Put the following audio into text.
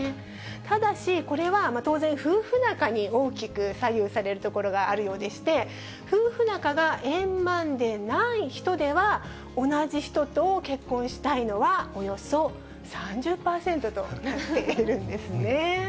ただし、これは当然、夫婦仲に大きく左右されるところがあるようでして、夫婦仲が、円満でない人では、同じ人と結婚したいのはおよそ３０％となっているんですね。